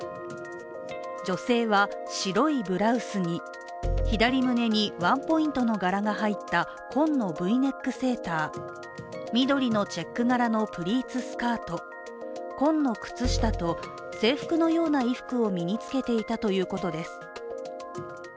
女性は、白いブラウスに左胸にワンポイントの柄が入った紺のＶネックセーター、緑のチェック柄のプリーツスカート、紺の靴下と、制服のような衣服を身につけていたということです。